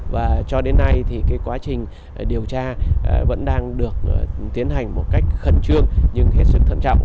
và cho đến nay thì cái quá trình điều tra vẫn đang được tiến hành một cách khẩn trương nhưng hết sức thận trọng